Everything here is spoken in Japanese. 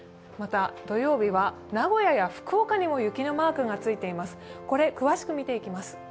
また、土曜日は名古屋や福岡にも雪のマークがついています。